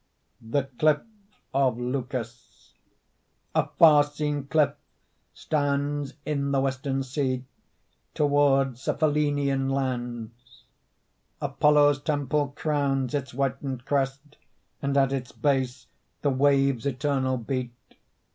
THE CLIFF OF LEUCAS Afar seen cliff Stands in the western sea Toward Cephallenian lands. Apollo's temple crowns Its whitened crest, And at its base The waves eternal beat.